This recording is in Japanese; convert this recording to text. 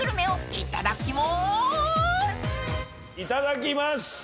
いただきます。